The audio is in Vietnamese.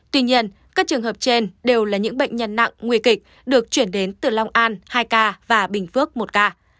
tuy nhiên các trường hợp trên đều là những bệnh nhân nặng nguy kịch được chuyển đến từ long an hai ca và bình phước một ca